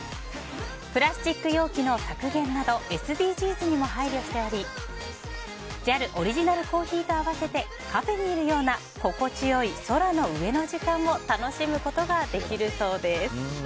プラスチック容器の削減などＳＤＧｓにも配慮しておりＪＡＬオリジナルコーヒーと合わせてカフェにいるような心地よい空の上の時間を楽しむことができるそうです。